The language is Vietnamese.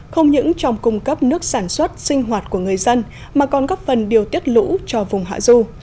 không những trong cung cấp nước sản xuất sinh hoạt của người dân mà còn góp phần điều tiết lũ cho vùng hạ du